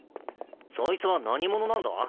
そいつは何者なんだ？